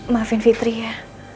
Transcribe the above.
maafin fitri ya